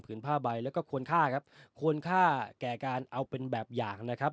ผ้าใบแล้วก็ควรฆ่าครับควรค่าแก่การเอาเป็นแบบอย่างนะครับ